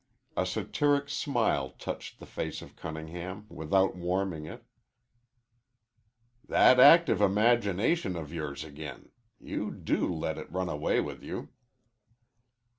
A satiric smile touched the face of Cunningham without warming it, "That active imagination of yours again. You do let it run away with you."